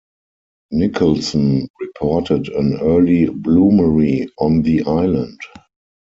Nicholson reported an early bloomery on the island.